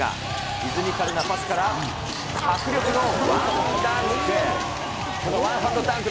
リズミカルなパスから迫力のワンハンドダンク。